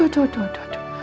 aduh aduh aduh